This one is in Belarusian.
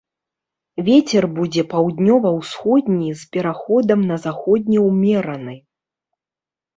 Вецер будзе паўднёва-ўсходні з пераходам на заходні ўмераны.